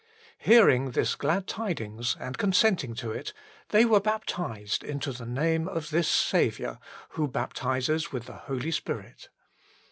Hearing this glad tidings and consenting to it, they were baptized into the name of this Saviour, who baptizes with the Holy Spirit.